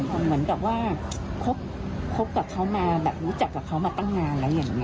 เหมือนกับว่าคบกับเขามาแบบรู้จักกับเขามาตั้งนานแล้วอย่างนี้